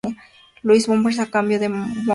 Louis Bombers a cambio de George Munroe.